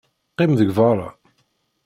Qqim deg beṛṛa!